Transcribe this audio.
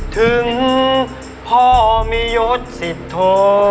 ถึงพ่อมียด๑๐โท